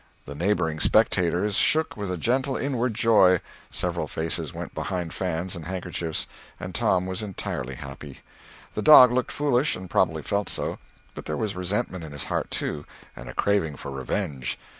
The neighboring spectators shook with a gentle inward joy, several faces went behind fans and hand kerchiefs, and Tom was entirely happy. The dog looked foolish, and probably felt so; but there was resentment in his heart, too, and a craving for revenge.